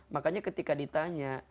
makanya ketika ditanya